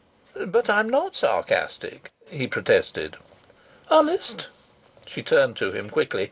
"But I'm not sarcastic!" he protested. "Honest?" She turned to him quickly.